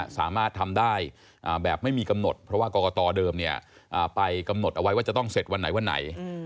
สามารถทำได้แบบไม่มีกำหนดเพราะว่ากรกตเดิมไปกำหนดเอาไว้ว่าจะต้องเสร็จวันไหนวันไหน